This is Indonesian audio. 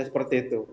ya seperti itu